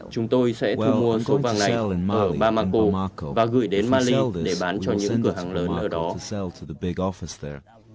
chúng tôi sẽ thu mua thu vàng này ở bamako và gửi đến mali để bán cho những cửa hàng lớn ở đó